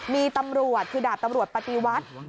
มีตำรวจคือดาบตำรวจปฏิวัติ